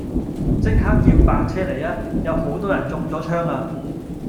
即刻叫白車嚟吖，有好多人中咗槍啊